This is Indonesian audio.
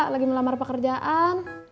lagi melamar pekerjaan